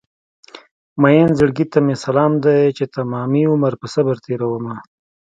مين زړګي ته مې سلام دی چې تمامي عمر په صبر تېرومه